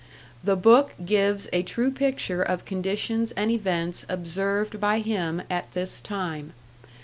The book gives a true picture of conditions and events observed by him at this time.